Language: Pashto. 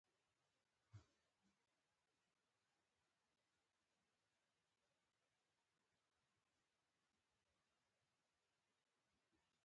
یو بوډا د خپل ژوند د خاطرې کیسې کولې.